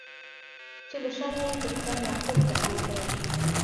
چې له شره یې د خدای مخلوق په تنګ دی